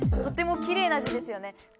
とてもきれいな字ですよね。